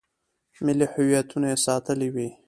ملي هویتونه یې ساتلي وي.